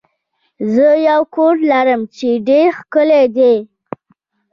زه یو کور لرم چې ډیر ښکلی دی.